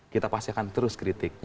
kita pasti akan terus kritik